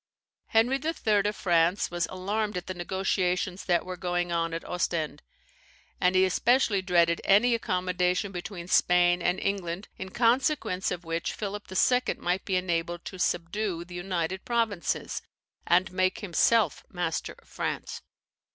"Henry III. of France was alarmed at the negotiations that were going on at Ostend; and he especially dreaded any accommodation between Spain and England, in consequence of which Philip II. might be enabled to subdue the United Provinces, and make himself master of France.